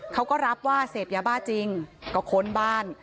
เขาก็รับว่าเสพยาบ้าจริงก็ค้นบ้าน